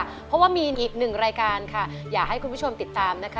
เพราะว่ามีอีกหนึ่งรายการค่ะอยากให้คุณผู้ชมติดตามนะคะ